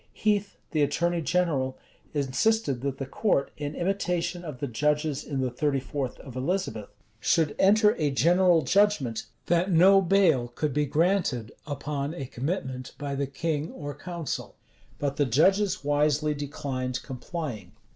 [*] Heathe, the attorney general, insisted that the court, in imitation of the judges in the thirty fourth of Elizabeth,[] should enter a general judgment, that no bail could be granted upon a commitment by the king or council.[] But the judges wisely declined complying.